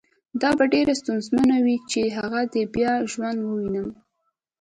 دا به ډېره ستونزمنه وي چې هغه دې بیا ژوندی ووینم